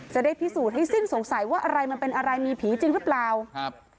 จะได้พิสูจน์ให้สิ้นสงสัยว่าอะไรมันเป็นอะไรมีผีจริงหรือเปล่าครับ